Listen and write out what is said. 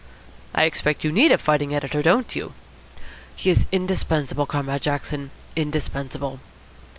"I expect you need a fighting editor, don't you?" "He is indispensable, Comrade Jackson, indispensable."